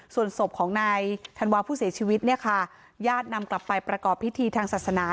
ส่วนศพของนายธันวาผู้เสียชีวิตเนี่ยค่ะญาตินำกลับไปประกอบพิธีทางศาสนา